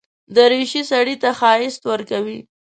دریشي سړي ته ښايست ورکوي.